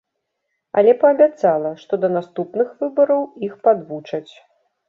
Але паабяцала, што да наступных выбараў іх падвучаць.